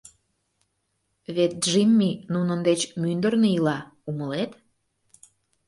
Вет Джимми нунын деч мӱндырнӧ ила, умылет?